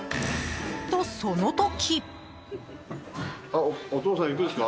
と、その時。